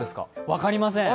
分かりません。